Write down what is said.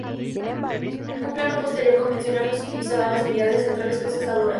Un plano posterior convencional no se utilizaba en las unidades centrales procesadoras.